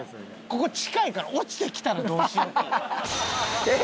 ここ近いから落ちてきたらどうしようっていう。